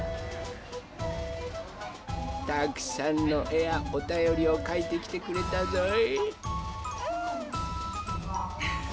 たくさんのえやおたよりをかいてきてくれたぞい。